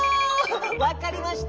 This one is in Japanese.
わかりました。